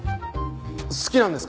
好きなんですか？